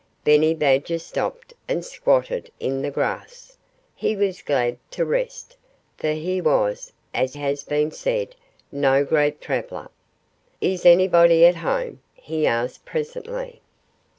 Benny Badger stopped and squatted in the grass. He was glad to rest, for he was as has been said no great traveller. "Is anybody at home?" he asked presently.